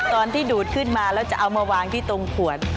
ดูดขึ้นมาแล้วจะเอามาวางที่ตรงขวด